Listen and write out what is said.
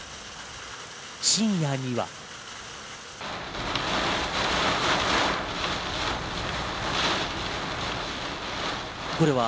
深夜には。